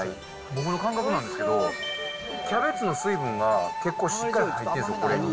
僕の感覚なんですけど、キャベツの水分が、結構しっかり入ってるんですよ、これに。